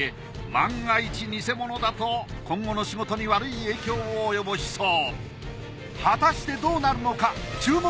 万が一偽物だと今後の仕事に悪い影響を及ぼしそう。